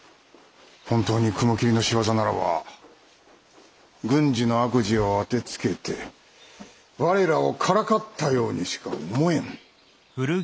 本当に雲霧の仕業ならば軍次の悪事を当てつけて我らをからかったようにしか思えぬ。